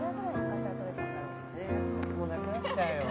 えっもうなくなっちゃうよ。